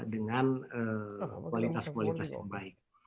dengan kualitas kualitas yang baik